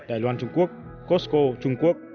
đài loan trung quốc costco trung quốc